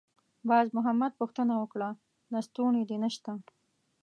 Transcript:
باز محمد پوښتنه وکړه: «لستوڼی دې نشته؟»